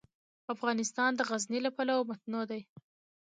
افغانستان د غزني له پلوه متنوع دی.